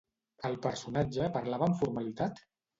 El personatge parlava amb formalitat?